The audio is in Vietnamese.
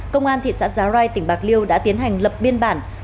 công an thị xã giá rai tỉnh bạc liêu đã tiến hành lập biên bản